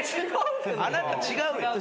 あなた違うよ。